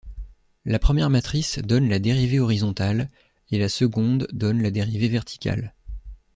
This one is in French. La première matrice donne la dérivée horizontale et la seconde donne la dérivée verticale.